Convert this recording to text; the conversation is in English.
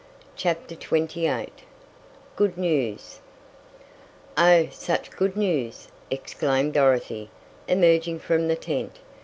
CHAPTER XXVIII GOOD NEWS "Oh, such good news!" exclaimed Dorothy, emerging from the tent.